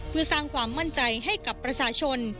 เพื่อสร้างความมั่นใจให้กับประชาชน